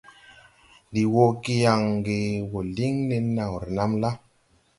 Ndi wɔ ge yaŋ ge wɔ liŋ nen naw renam la.